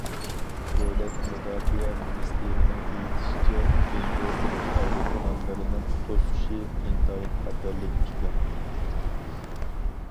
دۆلەت مۇداپىئە مىنىستىرىنىڭ ئېيتىشىچە، جۇڭگو ئۇرۇش ئايروپىلانلىرىنىڭ« توسۇشى» ئىنتايىن خەتەرلىك ئىكەن.